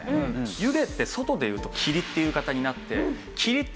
湯気って外で言うと霧っていう言い方になって霧って